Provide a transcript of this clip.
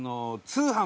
通販？